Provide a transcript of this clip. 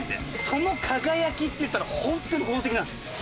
その輝きっていったらホントに宝石なんです。